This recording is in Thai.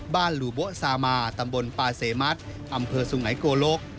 บ้านหลูบสามาตำบลปาเสมัติอำเภอสุงไหนกลก